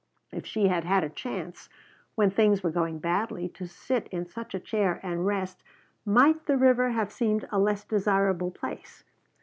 If she had had a chance, when things were going badly, to sit in such a chair and rest, might the river have seemed a less desirable place?